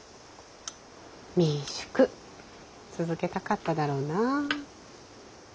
民宿続けたかっただろうなぁ。